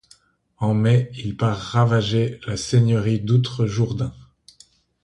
En mai, il part ravager la seigneurie d’Outre Jourdain.